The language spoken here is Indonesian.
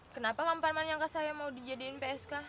kenapa kang parman nyangka saya mau dijadiin psk